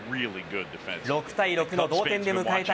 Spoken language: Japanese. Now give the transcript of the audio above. ６対６の同点で迎えた